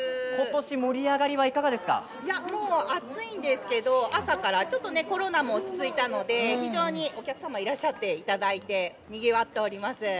いや、もう暑いんですけど朝から、ちょっとねコロナも落ち着いたので、非常にお客様いらっしゃっていただいてにぎわっております。